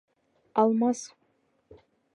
Алмас!